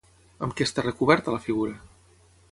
Amb què està recoberta la figura?